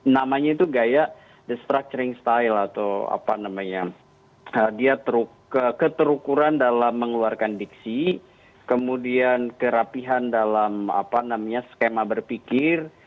namanya itu gaya destructuring style atau apa namanya dia keterukuran dalam mengeluarkan diksi kemudian kerapihan dalam skema berpikir